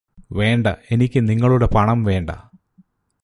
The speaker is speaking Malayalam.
വേണ്ട എനിക്ക് നിങ്ങളുടെ പണം വേണ്ട